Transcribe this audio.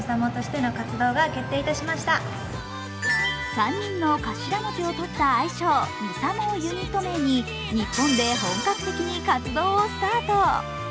３人の頭文字をとった愛称ＭＩＳＡＭＯをユニット名に日本で本格的に活動をスタート。